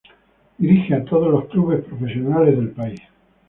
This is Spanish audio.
Dirige a todos los clubes profesionales del país.